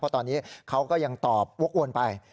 ตอนนี้เขาก็ยังตอบวกวนไป